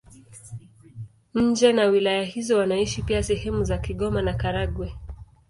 Nje na wilaya hizo wanaishi pia sehemu za Kigoma na Karagwe.